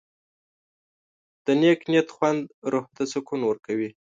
د نیک نیت خوند روح ته سکون ورکوي.